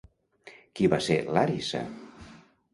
Qui va ser Làrissa?